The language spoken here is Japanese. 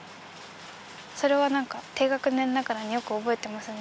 それはなんか低学年ながらによく覚えていますね。